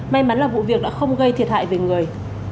may mắn là vụ việc đã không gây thiệt hại về người